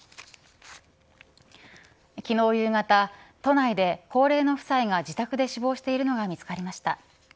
昨日夕方、都内で高齢の夫妻が自宅で死亡しているのが見つかりました。